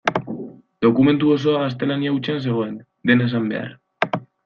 Dokumentu osoa gaztelania hutsean zegoen, dena esan behar.